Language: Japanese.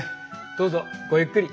どうぞごゆっくり。